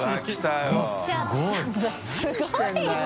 何してるんだよ？